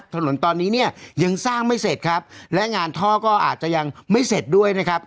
ถนนตอนนี้เนี่ยยังสร้างไม่เสร็จครับและงานท่อก็อาจจะยังไม่เสร็จด้วยนะครับ